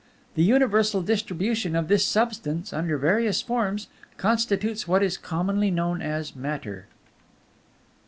The universal distribution of this substance, under various forms, constitutes what is commonly known as Matter.